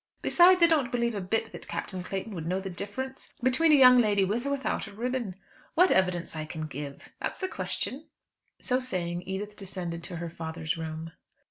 Besides, I don't believe a bit that Captain Clayton would know the difference between a young lady with or without a ribbon. What evidence I can give; that's the question." So saying, Edith descended to her father's room.